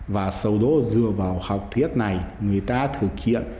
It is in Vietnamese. và sau đó dựa vào học thuyết này người ta thực hiện thay đổi